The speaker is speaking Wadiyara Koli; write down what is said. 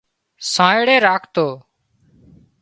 سانئڙِي راکتو